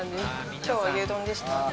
今日は牛丼でした。